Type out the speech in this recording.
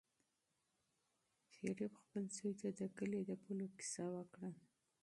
شریف خپل زوی ته د کلي د پولو کیسه وکړه.